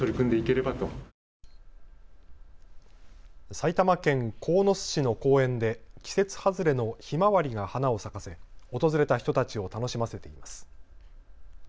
埼玉県鴻巣市の公園で季節外れのひまわりが花を咲かせ訪れた人たちを楽しませています。